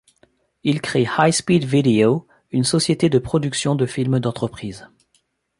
Il crée High Speed Video, une société de production de films d'entreprises.